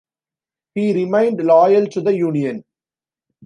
He remained loyal to the Union.